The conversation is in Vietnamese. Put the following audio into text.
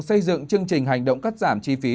xây dựng chương trình hành động cắt giảm chi phí